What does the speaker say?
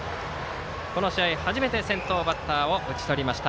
この試合、初めて先頭バッターを打ち取りました。